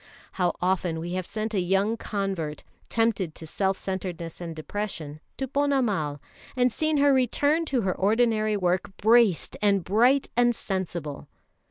How often we have sent a young convert, tempted to self centredness and depression, to Ponnamal, and seen her return to her ordinary work braced and bright and sensible.